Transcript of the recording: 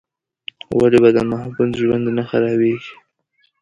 ولې به د محمود ژوند نه خرابېږي؟